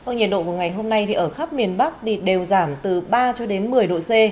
nhiệt độ của ngày hôm nay ở khắp miền bắc đều giảm từ ba cho đến một mươi độ c